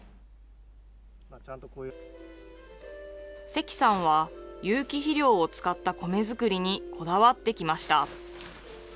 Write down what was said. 関さんは有機肥料を使った米作りにこだわってきました。